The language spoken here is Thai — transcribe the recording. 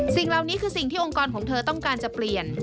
สิ่งเหล่านี้คือสิ่งที่องค์กรของเธอต้องการจะเปลี่ยน